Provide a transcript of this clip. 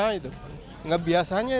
biasanya dia rapi banget